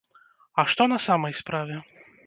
А што на самай справе?